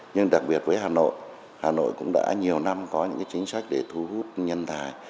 nhưng đặc biệt với hà nội hà nội cũng đã nhiều năm có những chính sách để thu hút nhân tài